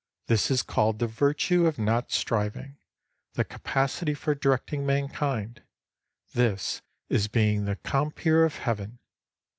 This is called the Virtue of not striving, the capacity for directing mankind ; this is being the compeer of Heaven.